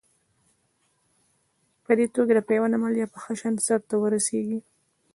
په دې توګه د پیوند عملیه په ښه شان سر ته ورسېږي.